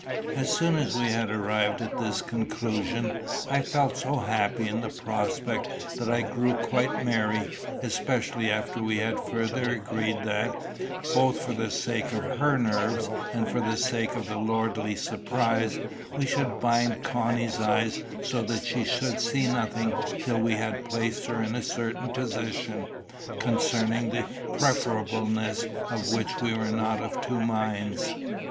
As soon as we had arrived at this conclusion, I felt so happy in the prospect that I grew quite merry, especially after we had further agreed that, both for the sake of her nerves and for the sake of the lordly surprise, we should bind Connie's eyes so that she should see nothing till we had placed her in a certain position, concerning the preferableness of which we were not of two minds.